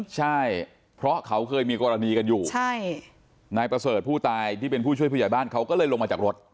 ใช่เพราะเขาเคยมีกรณีกันอยู่ใช่นายประเสริฐผู้ตายที่เป็นผู้ช่วยผู้ใหญ่บ้านเขาก็เลยลงมาจากรถ